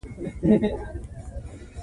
زغال د افغانستان د طبیعي زیرمو برخه ده.